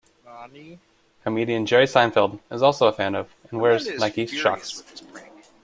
Comedian Jerry Seinfeld is also a fan of, and wears Nike Shox.